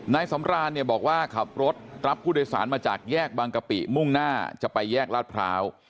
นายสำรานเนี่ยบอกว่าขับรถรับผู้โดยสารมาจากแยกบางกะปิมุ่งหน้าจะไปแยกลาดพร้าว